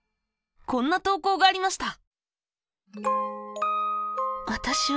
こんな投稿がありました。